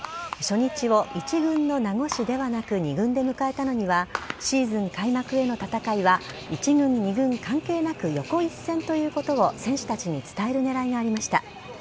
初日を１軍の名護市ではなく２軍で迎えたのには、シーズン開幕への戦いは、１軍、２軍関係なく横一線ということを選手たちに伝えるねらいがありました。